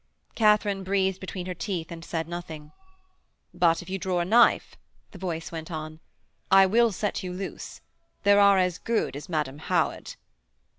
Katharine breathed between her teeth and said nothing. 'But if you draw a knife,' the voice went on, 'I will set you loose; there are as good as Madam Howard.'